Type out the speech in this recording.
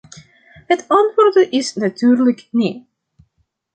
Het antwoord is natuurlijk nee.